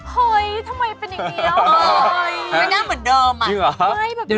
เฮ้ยทำไมเป็นอย่างนี้